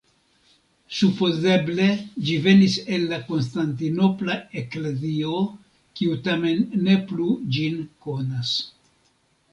Supozeble ĝi venis el la Konstantinopola eklezio, kiu tamen ne plu ĝin konas.